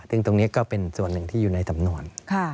ซึ่งตรงนี้ก็เป็นส่วนหนึ่งที่อยู่ในสำนวน